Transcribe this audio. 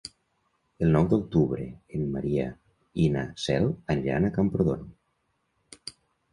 El nou d'octubre en Maria i na Cel aniran a Camprodon.